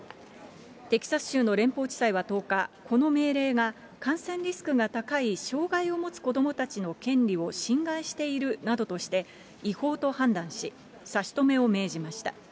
テキサス州の連邦地裁は１０日、この命令が、感染リスクが高い障害を持つ子どもたちの権利を侵害しているなどとして、違法と判断し、差し止めを命じました。